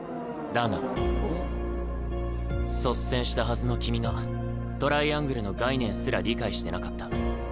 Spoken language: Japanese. だが率先したはずの君がトライアングルの概念すら理解してなかった。